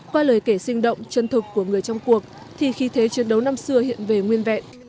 qua lời kể sinh động chân thực của người trong cuộc thì khi thế chiến đấu năm xưa hiện về nguyên vẹn